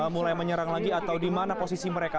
mulai menyerang lagi atau di mana posisi mereka